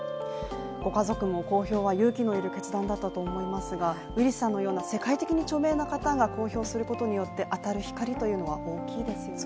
ご家族も公表は勇気の要る決断だったと思いますが、ウィリスさんのような世界的に著名な方が公表することによって、当たる光というのは大きいですよね。